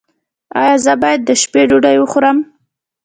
ایا زه باید د شپې ډوډۍ وخورم؟